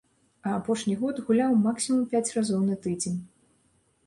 А апошні год гуляў максімум пяць разоў на тыдзень.